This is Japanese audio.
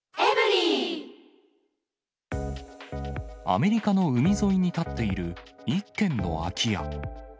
アメリカの海沿いに建っている一軒の空き家。